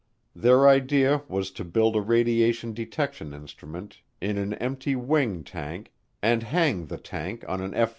Their idea was to build a radiation detection instrument in an empty wing tank and hang the tank on an F 47.